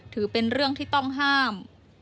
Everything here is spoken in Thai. ถือเป็นที่ต้องห้าม